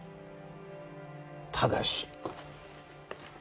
ただし。